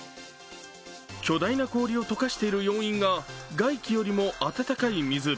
巨大な氷を解かしている要因が外気よりも温かい水。